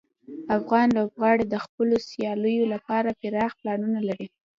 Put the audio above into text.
افغان لوبغاړي د خپلو سیالیو لپاره پراخ پلانونه لري.